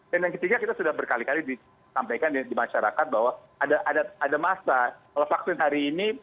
dan yang ketiga kita sudah berkali kali disampaikan di masyarakat bahwa ada masa kalau vaksin hari ini